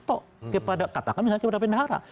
tok katakan misalnya kepada pendahara